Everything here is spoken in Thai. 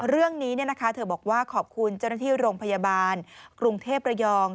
เรื่องนี้เธอบอกว่าขอบคุณเจ้าหน้าที่โรงพยาบาลกรุงเทพระยอง